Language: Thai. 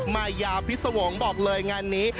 มายาพิษวงศ์บอกเลยงานนี้